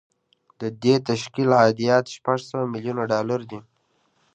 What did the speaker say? د دې تشکیل عایدات شپږ سوه میلیونه ډالر دي